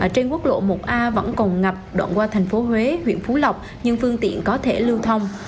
trên quốc lộ một a vẫn còn ngập đoạn qua thành phố huế huyện phú lộc nhưng phương tiện có thể lưu thông